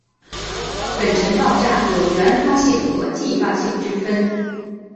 粉尘爆炸有原发性和继发性之分。